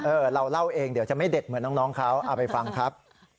เราเล่าเองเดี๋ยวจะไม่เด็ดเหมือนน้องเขาเอาไปฟังครับ